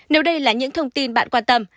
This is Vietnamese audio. nếu đây là những thông tin bạn quan tâm